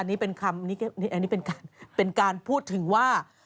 อันนี้เป็นคำนี้อันนี้เป็นการพูดถึงว่า